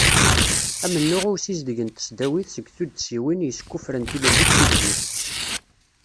Amennuɣ i usizdeg n tesdawit seg tuddsiwin yeskuffren tilelli d tugdut.